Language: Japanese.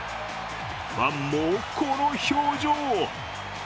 ファンもこの表情。